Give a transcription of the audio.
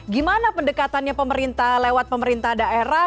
gimana pendekatannya pemerintah lewat pemerintah daerah